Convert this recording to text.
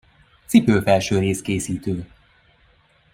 Cipőfelsőrész-készítő.